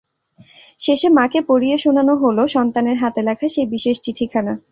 শেষে মাকে পরিয়ে শোনানো হলো সন্তানের হাতে লেখা সেই বিশেষ চিঠিখানা।